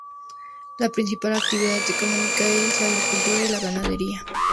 La principal actividad económica es la agricultura y la ganadería.